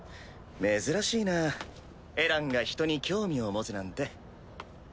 珍しいなエランが人に興味を持つなんて。